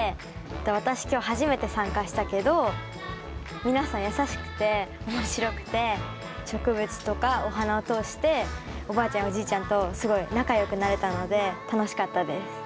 私今日初めて参加したけど皆さん優しくて面白くて植物とかお花を通しておばあちゃんやおじいちゃんとすごい仲良くなれたので楽しかったです。